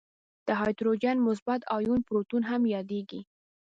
د هایدروجن مثبت آیون پروتون هم یادیږي.